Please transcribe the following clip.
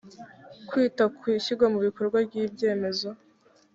kwita ku ishyirwa mu bikorwa ry ibyemezo